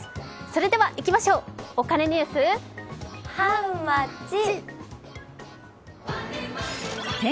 それでは行きましょう、お金ニュースハウマッチ。